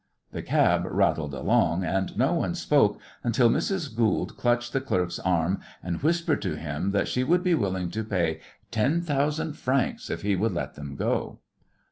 The cab rattled along, and no one spoke until Mrs. Goold clutched the clerk's arm and whispered to him that she would be willing to pay ten thousand francs if he would let them go.